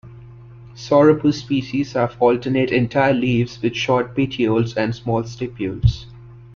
Sauropus species have alternate, entire leaves with short petioles and small stipules.